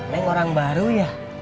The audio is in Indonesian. neng orang baru ya